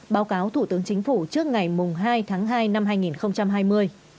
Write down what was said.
báo cáo thủ tướng chính phủ trước ngày hai tháng hai năm hai nghìn hai mươi